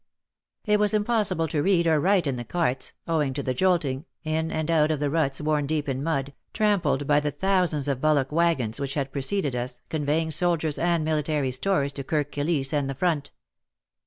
It was impossible to read or write in the carts, owing to the jolting, in and out of the ruts worn deep in mud, trampled by the thousands of bullock waggons which had pre ceded us, conveying soldiers and military stores to Kirk Kilisse and the front.